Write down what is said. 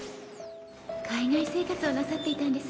「海外生活をなさっていたんですね」